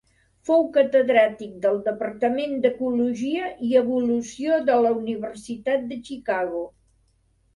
Fou catedràtic del Departament d'Ecologia i Evolució de la Universitat de Chicago.